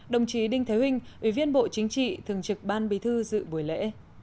đồng chí đinh thế huệ ủy viên bộ chính trị thường trực ban bí thư dự buổi lễ